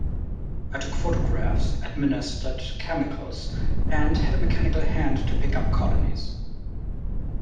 It took photographs, administered chemicals, and had a mechanical hand to pick up colonies.